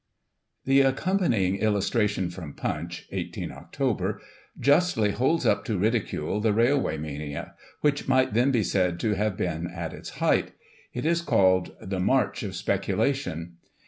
The accompanying illustration from Punch (i8 Oct.) justly holds up to ridicule flie Railway Mania, which mighl then be said to have been at its height. It is called " The March OF Speculation.